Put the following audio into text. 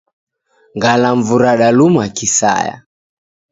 Ngalamvu radaluma kisaya.